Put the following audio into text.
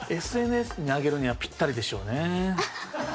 ＳＮＳに上げるにはぴったりでしょうね。